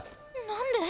何で？